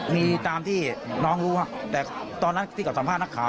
มีตามที่น้องรู้แต่ตอนนั้นที่เขาสัมภาษณ์นักข่าว